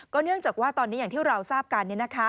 เนื่องจากว่าตอนนี้อย่างที่เราทราบกัน